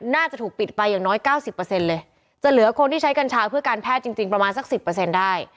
น่าจะถูกปิดไปอย่างน้อย๙๐เลยจะเหลือคนที่ใช้กัญชาเพื่อการแพทย์จริงประมาณสัก๑๐ได้